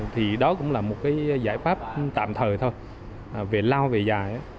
thì đó cũng là một cái giải pháp tạm thời thôi về lao về dài